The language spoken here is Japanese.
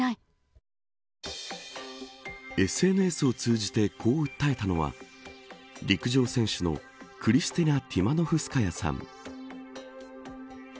ＳＮＳを通じてこう訴えたのは陸上選手のクリスティナ・ティマノフスカさん。